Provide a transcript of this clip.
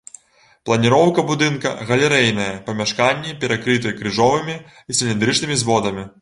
Планіроўка будынка галерэйная, памяшканні перакрыты крыжовымі і цыліндрычнымі зводамі.